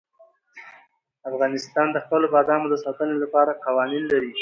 افغانستان د خپلو بادامو د ساتنې لپاره قوانین لري.